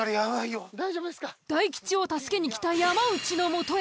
大吉を助けに来た山内の元へ。